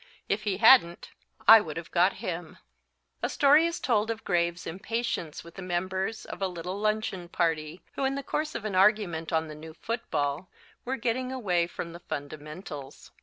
If he hadn't I would have got him." A story is told of Graves' impatience with the members of a little luncheon party, who in the course of an argument on the new football, were getting away from the fundamentals.